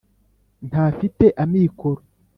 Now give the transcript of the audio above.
Ntafite amikoro .